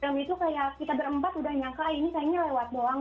dan film itu kayak kita berempat udah nyangka ini sayangnya lewat doang